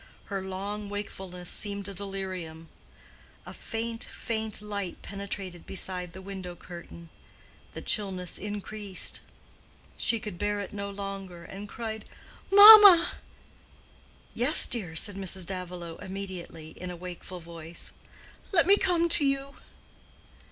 Her long wakefulness seemed a delirium; a faint, faint light penetrated beside the window curtain; the chillness increased. She could bear it no longer, and cried "Mamma!" "Yes, dear," said Mrs. Davilow, immediately, in a wakeful voice. "Let me come to you."